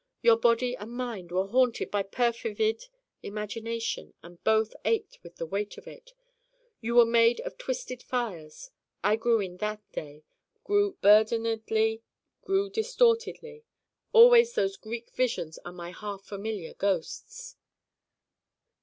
Your body and mind were haunted by perfervid imagination and both ached with the weight of it. You were made of twisted fires. I grew in that day: grew burdenedly: grew distortedly.' Always those Greek visions are my 'half familiar ghosts.